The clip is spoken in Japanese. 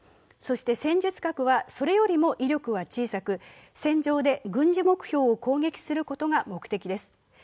そして戦術核はそれよりも威力は小さく、戦場で軍事目標を攻撃することが目標です。